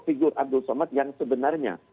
figur abdul somad yang sebenarnya